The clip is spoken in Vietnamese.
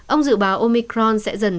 ông dự báo ômigran sẽ dần lên